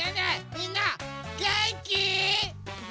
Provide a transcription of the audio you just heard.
みんなげんき？